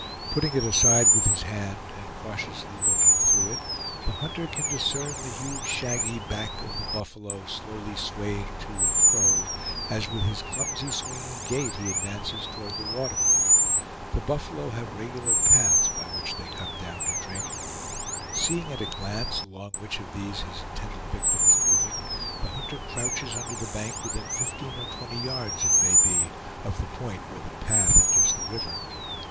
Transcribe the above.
Putting it aside with his hand, and cautiously looking through it, the hunter can discern the huge shaggy back of the buffalo slowly swaying to and fro, as with his clumsy swinging gait he advances toward the water. The buffalo have regular paths by which they come down to drink. Seeing at a glance along which of these his intended victim is moving, the hunter crouches under the bank within fifteen or twenty yards, it may be, of the point where the path enters the river.